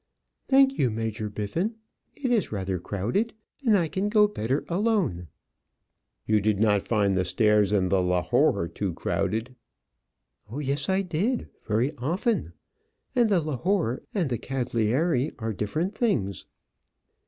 "Thank you, Major Biffin. It is rather crowded, and I can go better alone." "You did not find the stairs in the 'Lahore' too crowded." "Oh, yes, I did; very often. And the 'Lahore' and the 'Cagliari' are different things."